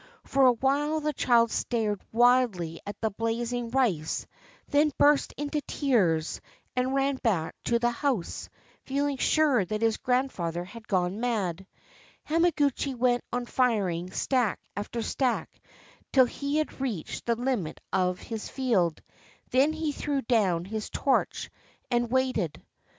For a while the child stared wildly at the blaz ing rice; then burst into tears, and ran back to the house, feeling sure that his grandfather had gone mad, Hama guchi went on firing stack after stack, till he had reached the limit of his field; then he threw down his torch, and waited.